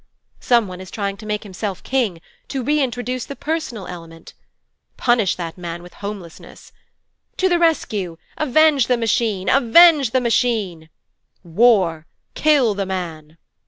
'Some one is trying to make himself king, to reintroduce the personal element.' 'Punish that man with Homelessness.' 'To the rescue! Avenge the Machine! Avenge the Machine!' 'War! Kill the man!'